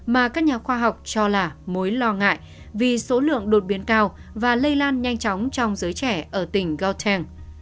mà các nhà khoa học cho là mối lo ngại vì số lượng đột biến cao và lây lan nhanh chóng trong giới trẻ ở tỉnh goldeng